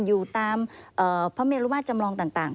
อยู่ตามพระเมรุมาตรจำลองต่าง